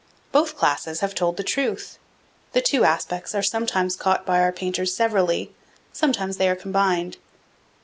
Both classes have told the truth. The two aspects are sometimes caught by our painters severally; sometimes they are combined.